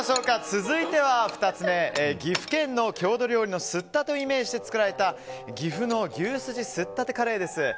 続いて２つ目、岐阜県の郷土料理すったてをイメージして作られた岐阜の牛すじすったてカレーです。